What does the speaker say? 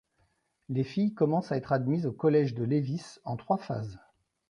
Les filles commencent à être admises au Collège de Lévis en trois phases.